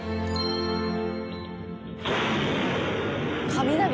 雷？